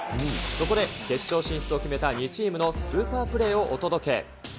そこで決勝進出を決めた２チームのスーパープレーをお届け。